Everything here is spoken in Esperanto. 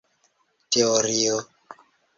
teorio